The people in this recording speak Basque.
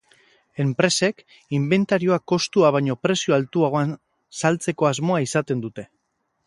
Enpresek, inbentarioa kostua baino prezio altuagoan saltzeko asmoa izaten dute.